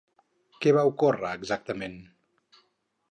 Què va ocórrer, exactament?